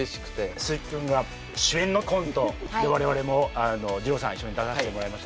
鈴木君が主演のコントで我々もじろうさん一緒に出させてもらいましたけど。